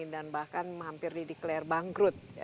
dan bahkan hampir dideklarasi bangkrut